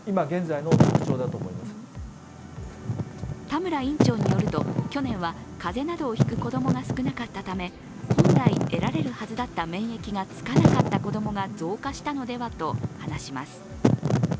多村院長によると、去年は風邪などを引く子供が少なかったため、本来得られるはずだった免疫がつかなかった子供が増加したのではと話します。